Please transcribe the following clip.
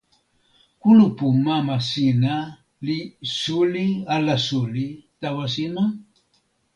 kulupu mama sina li suli ala suli tawa sina?